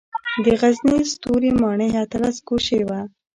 د غزني ستوري ماڼۍ اتلس ګوشې وه